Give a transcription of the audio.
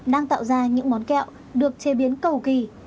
đang tạo ra những món kẹo được chế biến cầu kỳ